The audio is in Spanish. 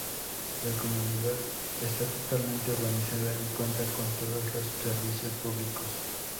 La comunidad esta totalmente urbanizada y cuenta con todos los servicios públicos.